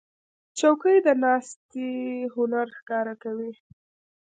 چوکۍ د ناستې هنر ښکاره کوي.